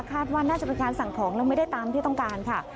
คาดว่าน่าจะเป็นการสั่งของแล้วไม่ได้ตามที่ต้องการค่ะ